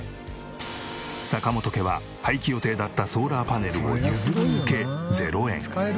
坂本家は廃棄予定だったソーラーパネルを譲り受け。